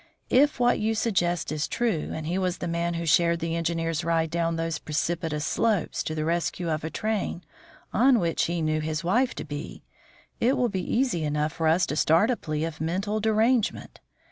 If what you suggest is true and he was the man who shared the engineer's ride down those precipitous slopes to the rescue of a train on which he knew his wife to be, it will be easy enough for us to start a plea of mental derangement.